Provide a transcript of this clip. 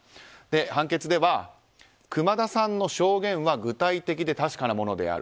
判決では、熊田さんの証言は具体的で確かなものである。